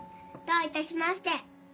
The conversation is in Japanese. どういたしまして。